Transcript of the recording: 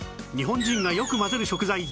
日本人がよく混ぜる食材